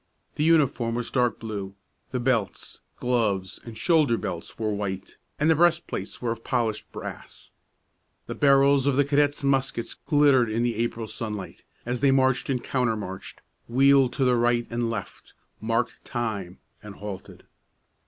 The uniform was dark blue; the belts, gloves, and shoulder belts were white, and the breastplates were of polished brass. The barrels of the cadets' muskets glittered in the April sunlight, as they marched and counter marched, wheeled to the right and left, marked time, and halted.